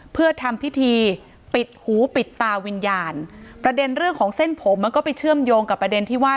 เพื่อทำพิธีปิดหูปิดตาวิญญาณประเด็นเรื่องของเส้นผมมันก็ไปเชื่อมโยงกับประเด็นที่ว่า